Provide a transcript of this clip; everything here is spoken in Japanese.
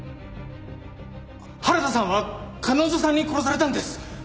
原田さんは彼女さんに殺されたんです！